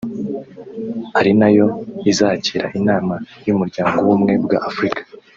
ari na yo izakira inama y’Umuryango w’Ubumwe bwa Afurika